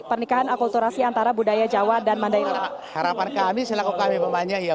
pernikahan akulturasi antara budaya jawa dan mandai harapan kami selaku kami pemainnya ya